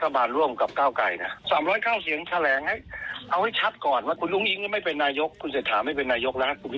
ถ้าเสนอมาภาคเดียวผมอาจจะโหวตให้ก็ได้นะถูกไหมไม่มีใครแข่งแล้วอ่ะ